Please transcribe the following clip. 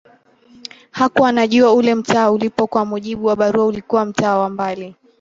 Hakuwa anajua ule mtaa ulipo kwa mujibu wa barua ulikua mtaa wa mbali